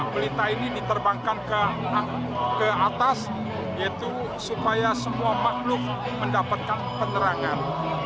pelita ini diterbangkan ke atas yaitu supaya semua makhluk mendapatkan penerangan